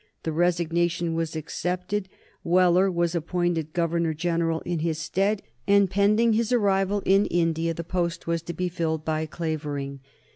The resignation was accepted, Wheler was appointed Governor General in his stead, and pending his arrival in India the post was to be filled by Clavering.